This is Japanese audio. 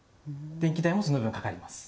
電気代もその分かかります